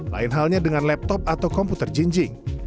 lain halnya dengan laptop atau komputer jinjing